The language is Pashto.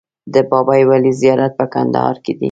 د بابای ولي زیارت په کندهار کې دی